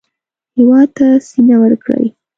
هېواد ته سینه ورکړئ